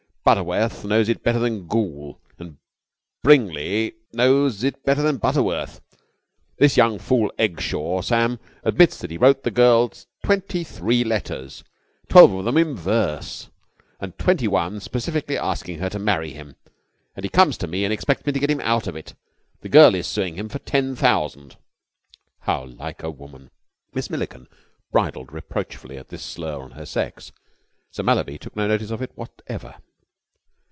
Butterworth knows it better than Goole, and Brigney knows it better than Butterworth. This young fool, Eggshaw, Sam, admits that he wrote the girl twenty three letters, twelve of them in verse, and twenty one specifically asking her to marry him, and he comes to me and expects me to get him out of it. The girl is suing him for ten thousand." "How like a woman!" Miss Milliken bridled reproachfully at this slur on her sex. Sir Mallaby took no notice of it whatever.